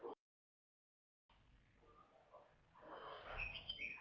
ย้อมส่งหลบเนี่ย